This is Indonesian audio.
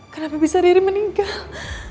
kenapa bisa riri meninggal